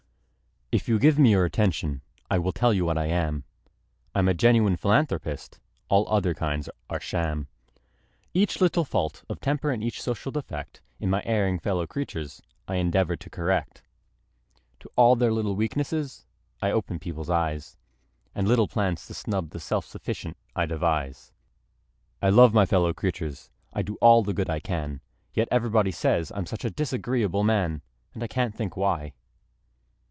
If you give me your attention, I will tell you what I am: I'm a genuine philanthropist all other kinds are sham. Each little fault of temper and each social defect In my erring fellow creatures, I endeavor to correct. To all their little weaknesses I open people's eyes And little plans to snub the self sufficient I devise; I love my fellow creatures I do all the good I can Yet everybody say I'm such a disagreeable man! And I can't think why!